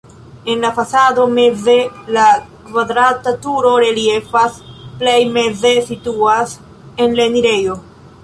En la fasado meze la kvadrata turo reliefas, plej meze situas la enirejo.